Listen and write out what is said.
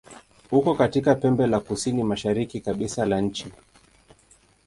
Uko katika pembe la kusini-mashariki kabisa la nchi.